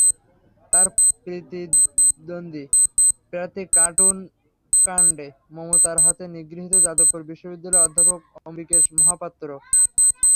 তাঁরপ্রিতিন্দ্বী প্রার্থী কার্টুন-কাণ্ডে মমতার হাতে নিগৃহীত যাদবপুর বিশ্ববিদ্যালয়ের অধ্যাপক অম্বিকেশ মহাপাত্র।